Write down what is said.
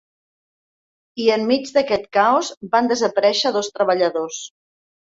I en mig d’aquest caos, van desaparèixer dos treballadors.